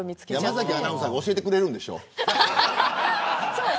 山崎アナウンサーが教えてくれるんでしょ。